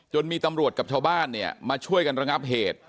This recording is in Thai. มีตำรวจกับชาวบ้านเนี่ยมาช่วยกันระงับเหตุ